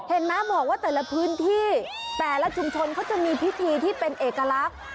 เห็นไหมบอกว่าแต่ละพื้นที่แต่ละชุมชนเขาจะมีพิธีที่เป็นเอกลักษณ์